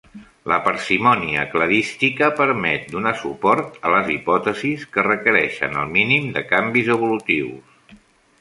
La parsimònia cladística permet donar suport a les hipòtesis que requereixen el mínim de canvis evolutius.